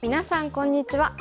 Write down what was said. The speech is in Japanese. こんにちは。